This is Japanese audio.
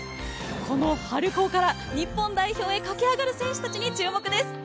この春高から日本代表へ駆け上がる選手たちに注目です。